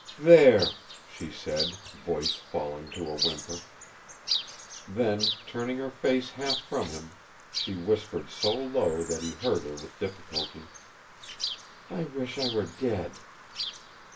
"There!" she said, voice falling to a whisper. Then, turning her face half from him, she whispered so low that he heard her with difficulty: "I wish I were dead!"